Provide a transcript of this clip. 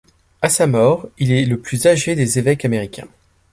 À sa mort il est le plus âgé des évêques américains.